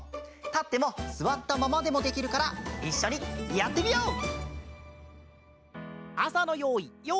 たってもすわったままでもできるからいっしょにやってみよう！